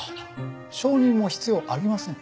証人も必要ありません。